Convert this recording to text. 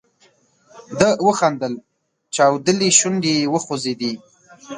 ده وخندل، چاودلې شونډې یې وخوځېدې.